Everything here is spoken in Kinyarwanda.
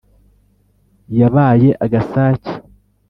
yabaye agasake